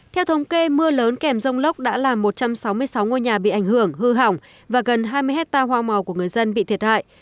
theo thống kê mưa lớn kèm rông lốc đã làm một trăm sáu mươi sáu ngôi nhà bị ảnh hưởng hư hỏng và gần hai mươi hectare hoa màu của người dân bị thiệt hại